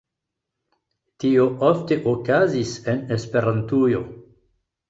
Tio ofte okazis en Esperantujo.